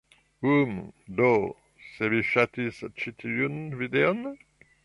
Um... do, se vi ŝatis ĉi tiun... videon?